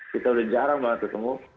kita udah jarang banget ketemu